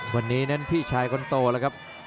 วันนี้นั้นพี่ชายคนโตแล้วครับ